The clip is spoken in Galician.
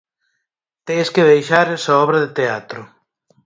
Tes que deixar esa obra de teatro.